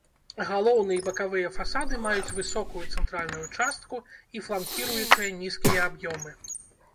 Галоўны і бакавыя фасады маюць высокую цэнтральную частку і фланкіруючыя нізкія аб'ёмы.